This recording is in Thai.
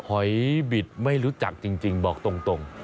หอยบิดไม่รู้จักจริงบอกตรง